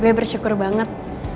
gue bersyukur banget